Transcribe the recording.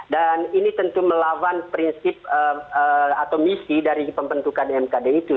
dan ini tentu melawan prinsip atau misi dari pembentukan mkd itu